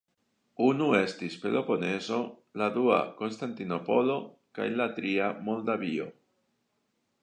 Unu estis Peloponezo, la dua Konstantinopolo kaj la tria Moldavio.